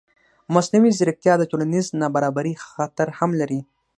مصنوعي ځیرکتیا د ټولنیز نابرابرۍ خطر هم لري.